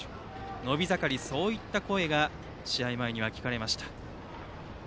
伸び盛り、そういった声が試合前には聞かれました。